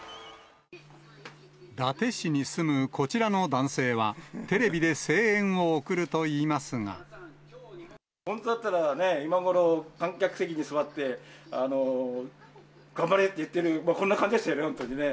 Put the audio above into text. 伊達市に住むこちらの男性は、本当だったらね、今頃、観客席に座って、頑張れー！って言ってる、こんな感じでしたね、本当にね。